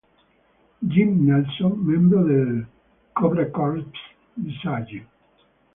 Jim Nelson", membro del "Cobra Corps" di Sgt.